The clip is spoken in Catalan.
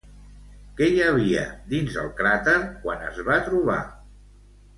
Què hi havia dins el crater quan es va trobar?